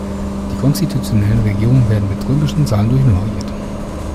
Die konstitutionellen Regierungen werden mit römischen Zahlen durchnummeriert.